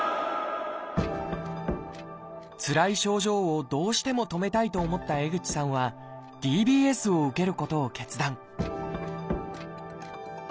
つらい症状をどうしても止めたいと思った江口さんはＤＢＳを受けることを決断